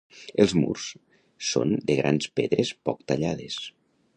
Els murs són de grans pedres poc tallades.